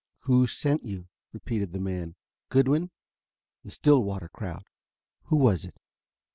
"Who sent you?" repeated the man. "Goodwin? The Stillwater crowd? Who was it?"